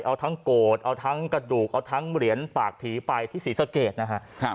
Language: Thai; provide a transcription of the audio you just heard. เอาทั้งโกรธเอาทั้งกระดูกเอาทั้งเหรียญปากผีไปที่ศรีสะเกดนะฮะ